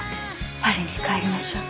パリに帰りましょう。